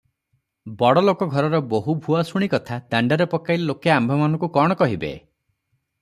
ବଡ଼ ଲୋକ ଘରର ବୋହୂ ଭୂଆସୁଣୀ କଥା ଦାଣ୍ତରେ ପକାଇଲେ ଲୋକେ ଆମ୍ଭମାନଙ୍କୁ କ'ଣ କହିବେ?